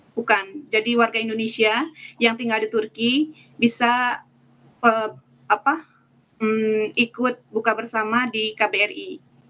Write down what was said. bukan jadi warga indonesia yang tinggal di turki bisa ikut buka bersama di kbri